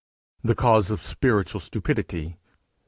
THE CAUSE OF SPIRITUAL STUPIDITY.